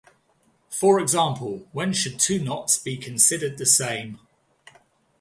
For example, when should two knots be considered the same?